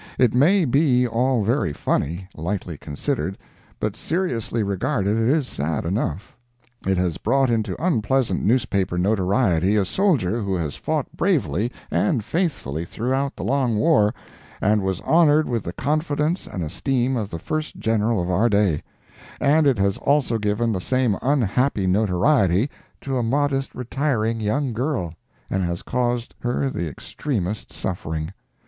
It may be all very funny, lightly considered, but seriously regarded it is sad enough. It has brought into unpleasant newspaper notoriety a soldier who has fought bravely and faithfully throughout the long war, and was honored with the confidence and esteem of the first General of our day; and it has also given the same unhappy notoriety to a modest, retiring young girl, and has caused her the extremest suffering.